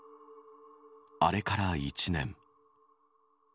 あれから１年。